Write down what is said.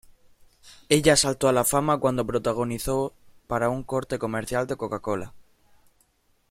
Ella saltó a la fama cuando protagonizó para un corte comercial de "Cocacola".